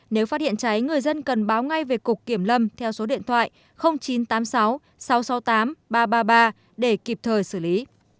nếu phát hiện cháy người dân cần báo ngay về cục kiểm lâm theo số điện thoại chín trăm tám mươi sáu sáu trăm sáu mươi tám ba trăm ba mươi ba để kịp thời xử lý